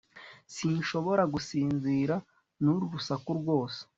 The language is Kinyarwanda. sinshobora gusinzira nuru rusaku rwose